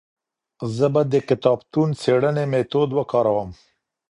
زه به د کتابتون څېړنې ميتود وکاروم.